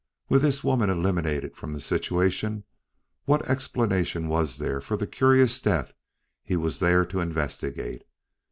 With this woman eliminated from the situation, what explanation was there of the curious death he was there to investigate?